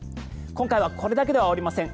今回はこれだけでは終わりません。